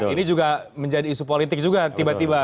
ini juga menjadi isu politik juga tiba tiba